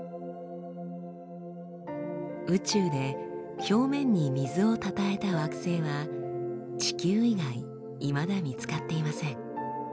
宇宙で表面に水をたたえた惑星は地球以外いまだ見つかっていません。